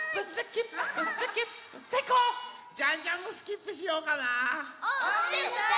ジャンジャンもスキップしようかな。